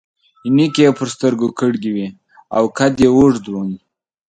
عینکې يې پر سترګو کړي وي او قد يې اوږد وو.